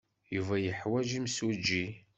Yuba yeḥwaj imsujji?